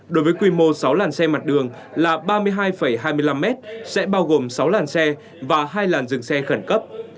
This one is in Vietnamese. đối với quy mô sáu lần xe mặt đường là ba mươi hai hai mươi năm m sẽ bao gồm sáu lần xe và hai lần dừng xe khẩn cấp